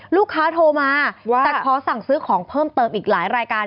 ลูกค้าโทรมาแต่ขอสั่งซื้อของเพิ่มเติมอีกหลายรายการ